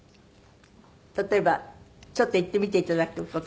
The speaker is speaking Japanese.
例えばちょっと言ってみていただく事。